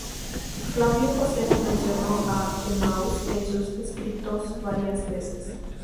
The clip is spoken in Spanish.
Flavio Josefo menciona a Emaús en sus escritos varias veces.